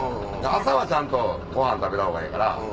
朝はちゃんとご飯食べたほうがええから。